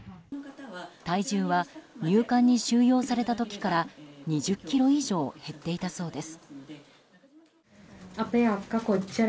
体重は入管に収容された時から２０ｋｇ以上減っていたそうです。